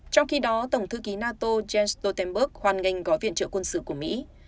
trong khi đó tổng thư ký nato james stoltenberg hoan nghênh gói viện trợ quân sự của mỹ